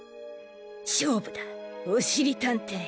しょうぶだおしりたんてい！